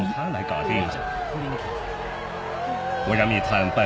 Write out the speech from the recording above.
はい